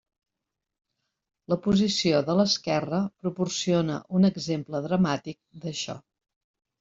La posició de l'esquerra proporciona un exemple dramàtic d'això.